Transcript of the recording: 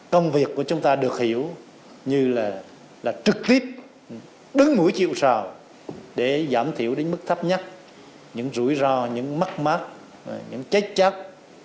công việc của chúng ta được hiểu như là trực tiếp đứng mũi chịu sào để giảm thiểu đến mức thấp nhất những rủi ro những mắc mắc những trách trách